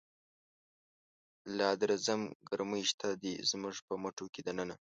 لادرزم ګرمی شته دی، زموږ په مټوکی دننه